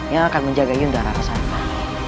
yang akan menjaga yudha rarasantan